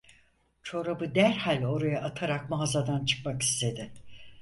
Çorabı derhal oraya atarak mağazadan çıkmak istedi.